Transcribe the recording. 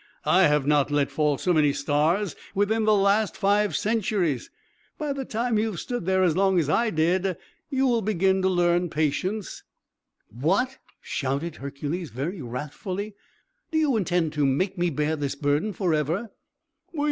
"I have not let fall so many stars within the last five centuries. By the time you have stood there as long as I did, you will begin to learn patience!" "What!" shouted Hercules, very wrathfully, "do you intend to make me bear this burden forever?"